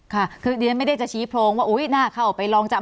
ค่ะคือเรียนไม่ได้จะชี้โพรงว่าอุ๊ยน่าเข้าไปลองจำ